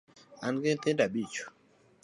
An gi nyithindo abich